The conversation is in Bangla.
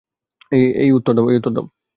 এই উত্তর দাও।